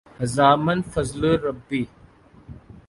ھذا من فضْل ربی۔